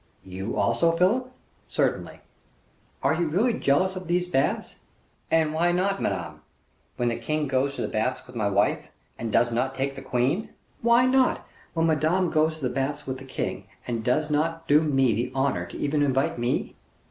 "You also, Philip?" "Certainly." "Are you really jealous of these baths?" "And why not, madame, when the king goes to the baths with my wife, and does not take the queen? Why not, when Madame goes to the baths with the king, and does not do me the honor to even invite me?